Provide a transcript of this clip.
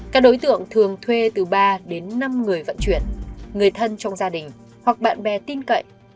các đối tượng thường thuê từ ba đến năm người vận chuyển người thân trong gia đình hoặc bạn bè tin cậy